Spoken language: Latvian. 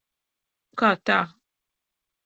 Kā tā?